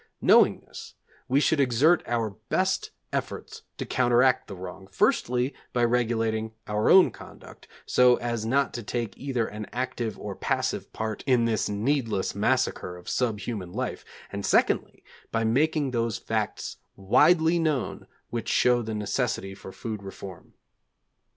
Knowing this we should exert our best efforts to counteract the wrong, firstly, by regulating our own conduct so as not to take either an active or passive part in this needless massacre of sub human life, and secondly, by making those facts widely known which show the necessity for food reform.